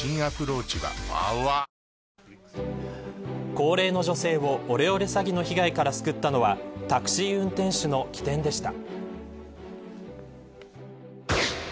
高齢の女性をオレオレ詐欺の被害から救ったのはタクシー運転手の機転でした。